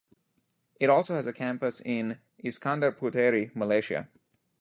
It also has a campus in Iskandar Puteri, Malaysia.